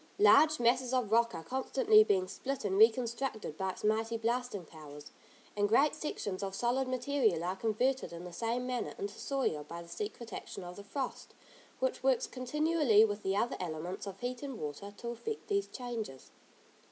Large masses of rock are constantly being split and reconstructed by its mighty blasting powers, and great sections of solid material are converted in the same manner into soil by the secret action of the frost, which works continually with the other elements of heat and water to effect these changes.